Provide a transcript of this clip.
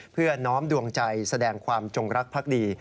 เพื่อน้อมดวงใจแสดงความจงรักภักดี